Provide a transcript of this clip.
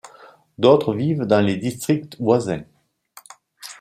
D’autres vivent dans les districts voisins.